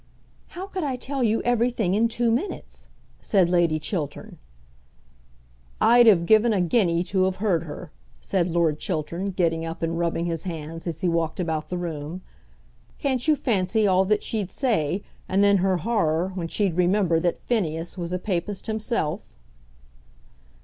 "How could I tell you everything in two minutes?" said Lady Chiltern. "I'd have given a guinea to have heard her," said Lord Chiltern, getting up and rubbing his hands as he walked about the room. "Can't you fancy all that she'd say, and then her horror when she'd remember that Phineas was a Papist himself?"